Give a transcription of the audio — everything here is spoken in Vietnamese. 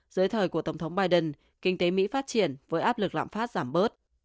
dưới thời của tổng thống biden kinh tế mỹ phát triển với áp lực lạm phát giảm bớt